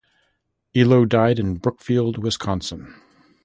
Elo died in Brookfield, Wisconsin.